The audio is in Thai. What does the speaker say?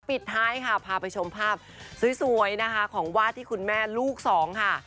ปิดท้ายค่ะพาไปชมภาพสวยนะคะของวาดที่คุณแม่ลูกสองค่ะ